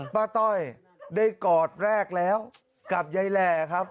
ต้อยได้กอดแรกแล้วกับยายแหล่ครับ